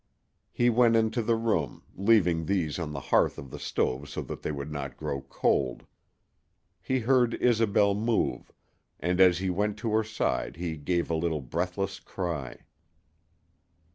He went into the room, leaving these on the hearth of the stove so that they would not grow cold. He heard Isobel move, and as he went to her side she gave a little breathless cry.